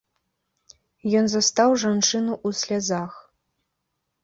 Ён застаў жанчыну ў слязах.